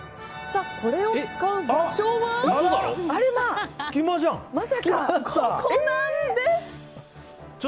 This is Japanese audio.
これを使う場所はここなんです！